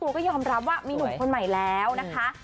ตูก็ยอมรับว่ามิผมขนใหม่แล้วนะคะ